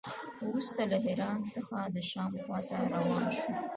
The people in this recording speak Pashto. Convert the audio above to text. وروسته له حران څخه د شام خوا ته روان شو.